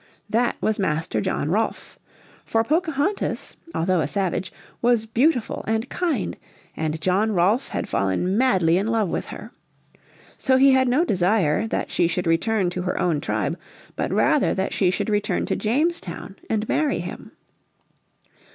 That was Master John Rolfe. For Pocahontas, although a savage, was beautiful and kind, and John Rolfe had fallen madly in love with her. So he had no desire that she should return to her own tribe, but rather that she should return to Jamestown and marry him.